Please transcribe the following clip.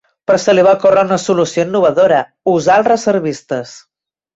Però se li va ocórrer una solució innovadora: usar els reservistes.